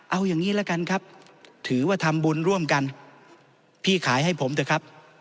เอาอย่างนี้ละกันครับถือว่าทำบุญร่วมกันพี่ขายให้ผมเถอะครับ